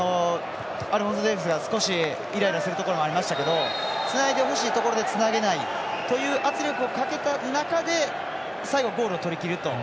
アルフォンソ・デイビスが少しイライラするところもありましたけどつないでほしいところでつなげないという圧力をかけた中で最後、ゴールを取りきると。